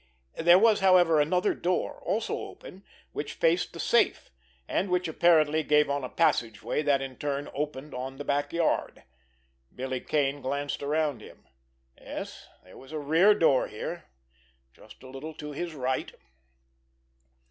There was, however, another door, also open, which faced the safe, and which apparently gave on a passageway that in turn opened on the back yard. Billy Kane glanced around him. Yes, there was a rear door here, just a little to his right.